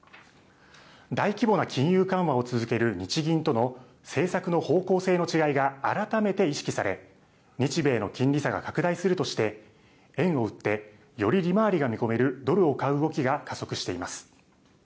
大規模な金融緩和を続ける日銀との政策の方向性の違いが改めて意識され日米の金利差が拡大するとして円を売ってより利回りが見込めるドルを買う動きが加速しています。